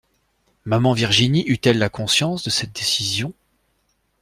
Maman Virginie eut-elle la conscience de cette décision?